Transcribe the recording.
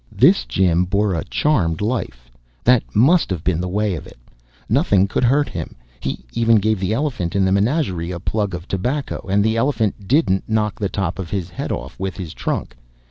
This Jim bore a charmed life that must have been the way of it. Nothing could hurt him. He even gave the elephant in the menagerie a plug of tobacco, and the elephant didn't knock the top of his head off with his trunk.